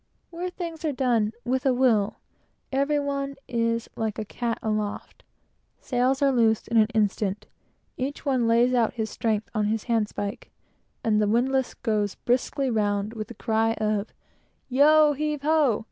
Where things are "done with a will," every one is like a cat aloft: sails are loosed in an instant; each one lays out his strength on his handspike, and the windlass goes briskly round with the loud cry of "Yo heave ho!